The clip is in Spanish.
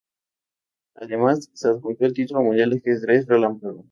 Además, se adjudicó el título mundial de ajedrez relámpago.